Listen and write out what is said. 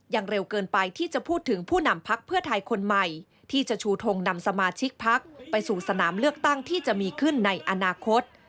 เร็วเกินไปที่จะพูดถึงผู้นำพักเพื่อไทยคนใหม่ที่จะชูทงนำสมาชิกพักไปสู่สนามเลือกตั้งที่จะมีขึ้นในอนาคต